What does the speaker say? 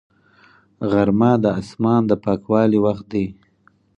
غرمه د اسمان د پاکوالي وخت دی